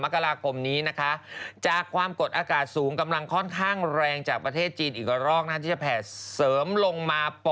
ก็หนาวอยู่ในกรุงเทพฯอะไรอย่างนี้ไม่หนาว